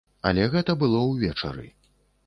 Але гэта было ўвечары.